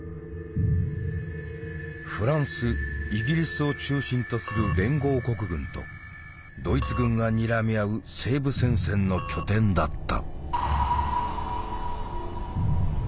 フランス・イギリスを中心とする連合国軍とドイツ軍がにらみ合う西部戦線の拠点だった。